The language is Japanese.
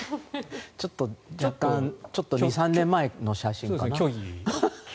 ちょっと２３年前の写真かな。